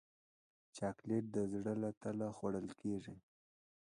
چاکلېټ د زړه له تله خوړل کېږي.